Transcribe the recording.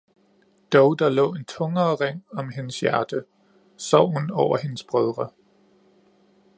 dog der lå en tungere ring om hendes hjerte, sorgen over hendes brødre.